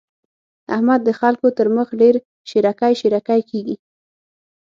احمد د خلګو تر مخ ډېر شېرکی شېرکی کېږي.